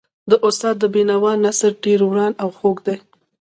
د استاد د بینوا نثر ډېر روان او خوږ دی.